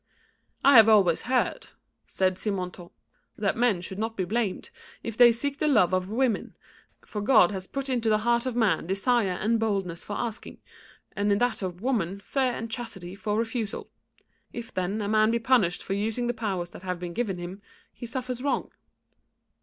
"I have always heard," said Simontault, "that men should not be blamed if they seek the love of women, for God has put into the heart of man desire and boldness for asking, and in that of woman fear and chastity for refusal. If, then, a man be punished for using the powers that have been given him, he suffers wrong."